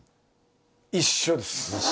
一緒です！